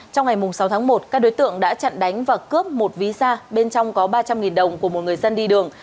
trong ngày sáu tháng một các đối tượng đã chặn đánh và cướp một ví da bên trong có ba trăm linh đồng của một người dân đi đường